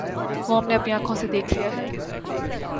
قوم نے اپنی آنکھوں سے دیکھ لیا ہے۔